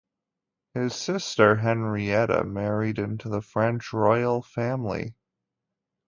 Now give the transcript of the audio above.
His sister Henrietta married into the French royal family.